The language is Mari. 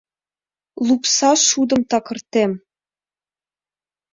Лупсан шудым такыртем.